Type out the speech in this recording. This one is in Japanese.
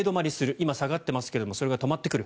今、下がっていますがそれが止まってくる。